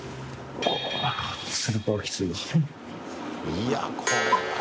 いや、これは。